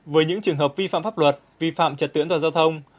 với những trường hợp vi phạm pháp luật vi phạm trật tưởng tòa giao thông